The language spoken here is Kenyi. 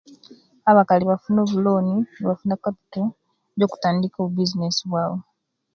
Abakali bafuna obulooni, nibafuna kapitol, jokutandiika obubizinesi bwabwe.